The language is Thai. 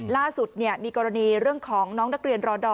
ล่าสุดมีกรณีเรื่องของน้องนักเรียนรอดอ